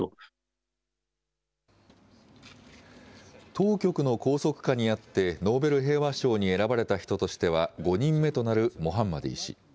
当局の拘束下にあって、ノーベル平和賞に選ばれた人としては５人目となるモハンマディ氏。